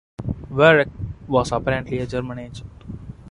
Viereck was apparently a German agent.